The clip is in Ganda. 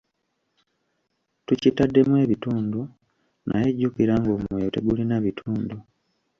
Tukitaddemu ebitundu; naye jjukira ng'omwoyo tegulina bitundu.